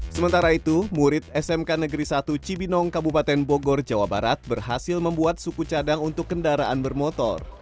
sementara itu murid smk negeri satu cibinong kabupaten bogor jawa barat berhasil membuat suku cadang untuk kendaraan bermotor